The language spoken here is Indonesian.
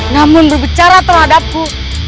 namun berbicara terhadapku